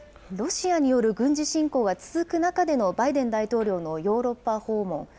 ロシアによる軍事侵攻が続く中でのバイデン大統領のヨーロッパ訪問。